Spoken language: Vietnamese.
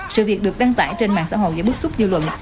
sự việc được đăng tải trên mạng xã hội gây bức xúc dư luận